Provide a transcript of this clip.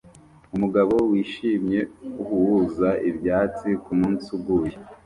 Umugabo wishimye uhuza ibyatsi kumunsi uguye